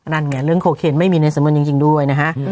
นั่นไงเรื่องโคเคนไม่มีในสำนวนจริงด้วยนะฮะ